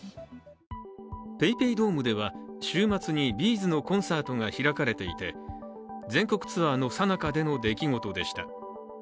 ＰａｙＰａｙドームでは週末にＢ’ｚのコンサートが開かれていて全国ツアーのさなかでの出来事でした。